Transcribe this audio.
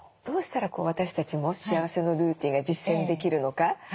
どうしたら私たちも幸せのルーティンが実践できるのか？